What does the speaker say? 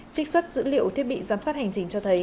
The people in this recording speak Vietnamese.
trích xuất dữ liệu thiết bị giám sát hành trình cho thấy